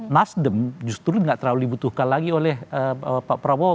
nasdem justru tidak terlalu dibutuhkan lagi oleh pak prabowo